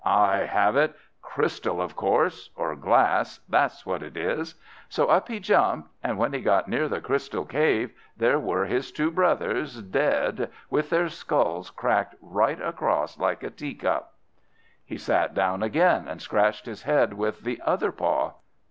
"I have it! Crystal, of course, or glass that's what it is!" So up he jumped, and when he got near the Crystal Cave, there were his two brothers, dead, with their skulls cracked right across like a teacup. He sat down again, and scratched his head with the other paw.